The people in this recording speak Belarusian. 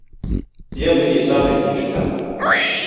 Я б і сам іх не чытаў.